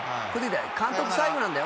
監督最後なんだよ。